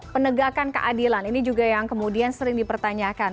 penegakan keadilan ini juga yang kemudian sering dipertanyakan